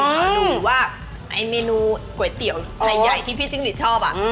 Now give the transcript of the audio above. ดูว่าเมนูก๋วยเตี๋ยวไทยใหญ่ที่พี่จริงชอบ